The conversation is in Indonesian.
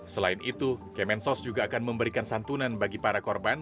selain itu kemensos juga akan memberikan santunan bagi para korban